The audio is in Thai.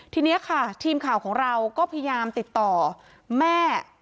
ทีนี้ค่ะทีมข่าวของเราก็พยายามติดต่อแม่